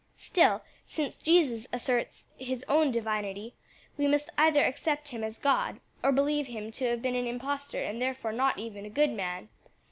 "Still, since Jesus asserts his own divinity, we must either accept him as God, or believe him to have been an impostor and therefore not even a good man.